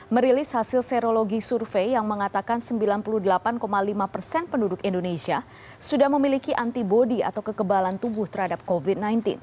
merilis hasil serologi survei yang mengatakan sembilan puluh delapan lima persen penduduk indonesia sudah memiliki antibody atau kekebalan tubuh terhadap covid sembilan belas